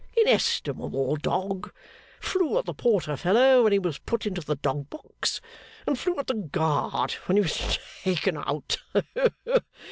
Inestimable Dog. Flew at the porter fellow when he was put into the dog box, and flew at the guard when he was taken out.